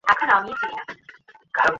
চাচ্চু, আপনি কি উনাকে বিয়ে করছেন?